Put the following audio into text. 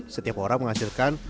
setiap orang menghasilkan